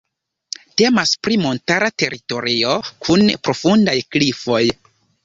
Temas pri montara teritorio kun profundaj klifoj.